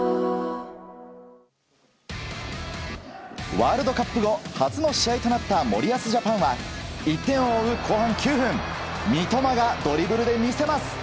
ワールドカップ後初の試合となった森保ジャパンは１点を追う後半９分三笘がドリブルで魅せます。